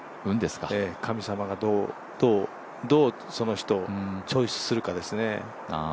神様がどうその人をチョイスするかですね。